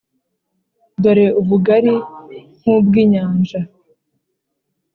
dore ubugari nk’ubw’inyanja.